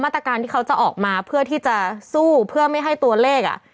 ตรการที่เขาจะออกมาเพื่อที่จะสู้เพื่อไม่ให้ตัวเลขอ่ะ